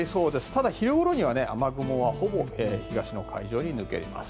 ただ、昼ごろには雨雲はほぼ東の海上に抜けます。